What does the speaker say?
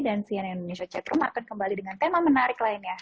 dan cnn indonesia chat room akan kembali dengan tema menarik lainnya